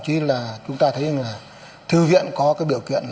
bí thư nguyễn thị nhân cho biết